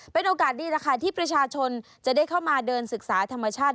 เป็นโอกาสดีแล้วค่ะที่ประชาชนจะได้เข้ามาเดินศึกษาธรรมชาติ